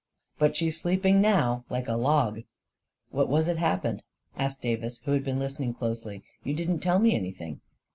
But she's sleeping now, like a log." " What was it happened? " asked Davis, who had been listening closely. " You didn't tell me any thing